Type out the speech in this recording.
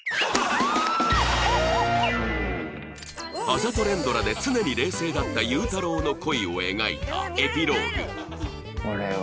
あざと連ドラで常に冷静だった祐太郎の恋を描いたエピローグ